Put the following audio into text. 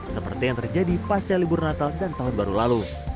seperti yang terjadi pasca libur natal dan tahun baru lalu